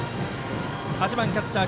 ８番キャッチャー